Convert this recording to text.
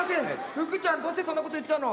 ふくちゃんどうしてそんなこと言っちゃうの！